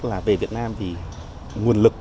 là về việt nam vì nguồn lực